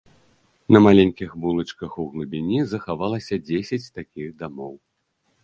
На маленькіх вулачках у глыбіні захавалася дзесяць такіх дамоў.